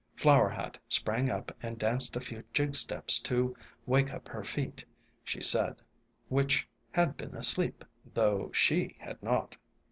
Flower Hat sprang up and danced a few jig steps "to wake up her feet," she said, "which had been asleep, though she had not."